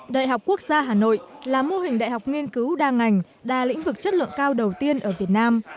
đại học quốc gia hà nội là mô hình đại học nghiên cứu đa ngành đa lĩnh vực chất lượng cao đầu tiên ở việt nam